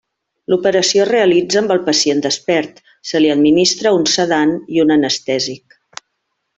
L'operació es realitza amb el pacient despert, se li administra un sedant i un anestèsic.